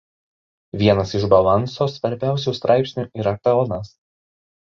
Vienas iš balanso svarbiausių straipsnių yra pelnas.